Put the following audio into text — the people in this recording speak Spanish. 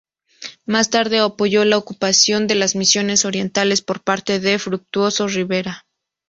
Más tarde apoyó la ocupación de las Misiones Orientales por parte de Fructuoso Rivera.